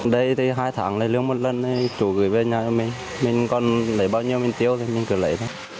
đây thì hai tháng lấy lương một lần chủ gửi về nhà mình mình còn lấy bao nhiêu mình tiêu thì mình cứ lấy thôi